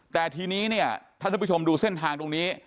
แต่ทีนี้เนี่ยท่านผู้ชมดูเส้นทางตรงนี้